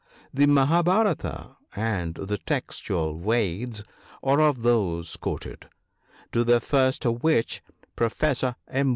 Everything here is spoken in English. The " Mahabharata " and the textual "Veds" are of those quoted : to the first of which Professor M.